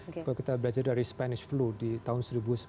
kalau kita belajar dari spanish flu di tahun seribu sembilan ratus sembilan puluh